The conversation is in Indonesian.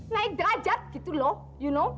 naik derajat gitu loh you know